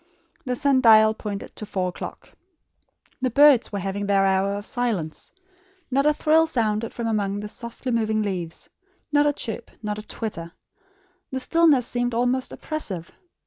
The sun dial pointed to four o'clock. The birds were having their hour of silence. Not a trill sounded from among the softly moving leaves, not a chirp, not a twitter. The stillness seemed almost oppressive.